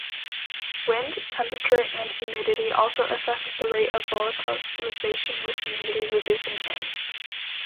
Wind, temperature, and humidity also affect the rate of volatilisation with humidity reducing in.